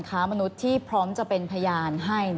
ค้ามนุษย์ที่พร้อมจะเป็นพยานให้